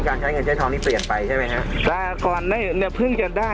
แถวนี้น่าจะอยู่ที่นี่